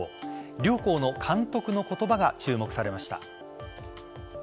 両校の監督の言葉が注目されました。